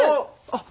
あっ！